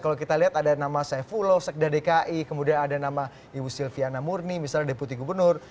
kalau kita lihat ada nama saifullah sekda dki kemudian ada nama ibu silviana murni misalnya deputi gubernur